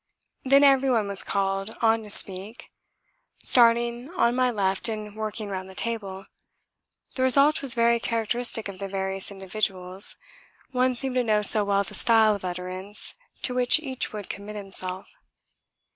Then everyone was called on to speak, starting on my left and working round the table; the result was very characteristic of the various individuals one seemed to know so well the style of utterance to which each would commit himself.